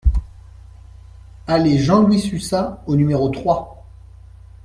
Allée Jean-Louis Sussat au numéro trois